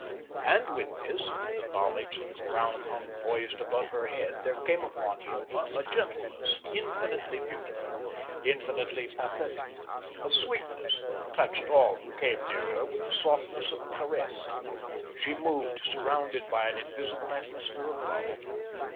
And with this, with the knowledge that the crown hung poised above her head, there came upon Hilma a gentleness infinitely beautiful, infinitely pathetic; a sweetness that touched all who came near her with the softness of a caress. She moved surrounded by an invisible atmosphere of Love.